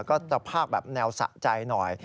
ก็สภาพแบบแนวสะใจหน่อย